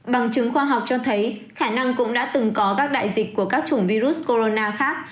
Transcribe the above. bằng chứng khoa học cho thấy khả năng cũng đã từng có các đại dịch của các chủng virus corona khác